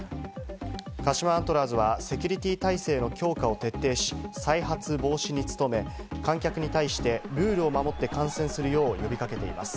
鹿島アントラーズはセキュリティー体制の強化を徹底し、再発防止に努め、観客に対してルールを守って観戦するよう呼び掛けています。